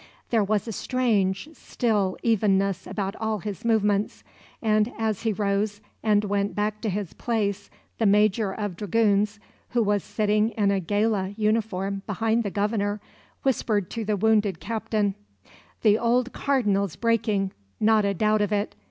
There was a strange, still evenness about all his movements; and as he rose and went back to his place the major of dragoons, who was sitting in gala uniform behind the Governor, whispered to the wounded captain: "The old Cardinal's breaking, not a doubt of it.